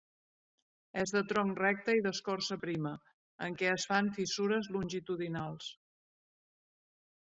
És de tronc recte i d'escorça prima, en què es fan fissures longitudinals.